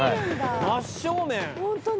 真っ正面！